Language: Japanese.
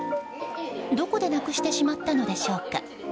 どこでなくしてしまったのでしょうか。